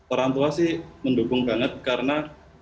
orang tua sih mendukung banget karena